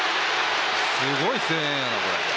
すごい声援だなこれ。